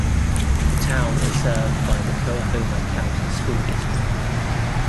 The town is served by the Coahoma County School District.